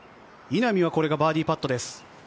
稲見はこれがバーディーパットです。